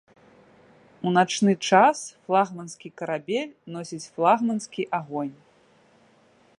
У начны час флагманскі карабель носіць флагманскі агонь.